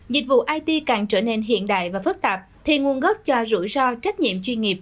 dịch vụ it càng trở nên hiện đại và phức tạp thì nguồn gốc cho rủi ro trách nhiệm chuyên nghiệp